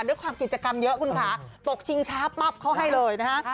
ด้วยความกิจกรรมเยอะคุณค่ะตกชิงช้าปั๊บเขาให้เลยนะฮะ